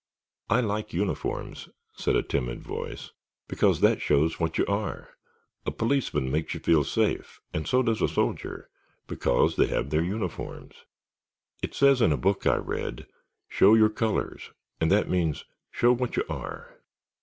"I like uniforms," said a timid voice, "because that shows what you are; a policeman makes you feel safe and so does a soldier, because they have their uniforms. It says in a book I read, 'Show your colors' and that means, show what you are."